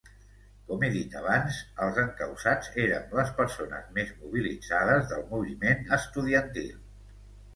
Com he dit abans, els encausats érem les persones més mobilitzades del moviment estudiantil.